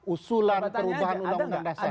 usulan perubahan undang undang dasar